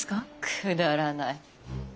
くだらない。